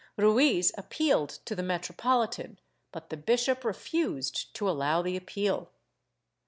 Ruiz appealed to the metropolitan, but the bishop refused to allow the appeal.